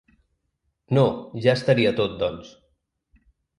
No, ja estaria tot doncs.